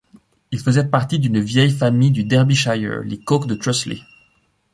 Il faisait partie d'une vieille famille du Derbyshire, les Coke de Trusley.